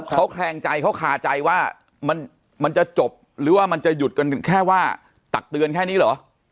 เขาแคลงใจเขาคาใจว่ามันจะจบหรือว่ามันจะหยุดกันแค่ว่าตักเตือนแค่นี้เหรอ